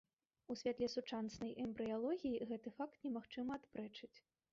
У святле сучаснай эмбрыялогіі гэты факт немагчыма адпрэчыць.